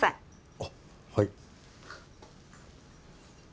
あっはい。